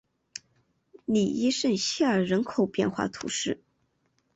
里伊圣西尔人口变化图示